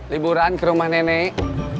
liburan ke rumah nenek